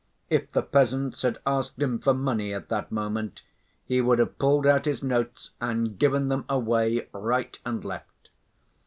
If the peasants had asked him for money at that moment, he would have pulled out his notes and given them away right and left.